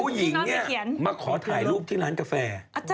ผู้หญิงเนี่ยมาขอถ่ายรูปที่ร้านกาแฟ